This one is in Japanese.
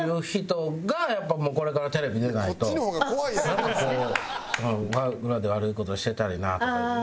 なんかこう裏で悪い事してたりなとかいうやん。